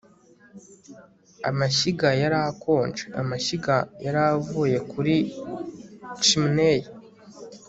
Amashyiga yari akonje amashyiga yari avuye kuri chimney